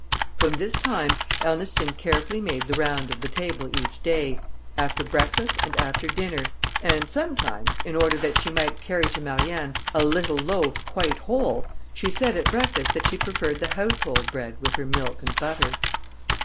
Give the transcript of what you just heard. From this time Ernestine carefully made the round of the table each day, after breakfast, and after dinner, and sometimes, in order that she might carry to Marianne a little loaf quite whole, she said at breakfast that she preferred the household bread with her milk and butter.